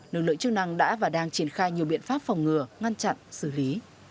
nước lưỡi chương năng đã và đang triển khai nhiều biện pháp phòng ngừa ngăn chặn xử lý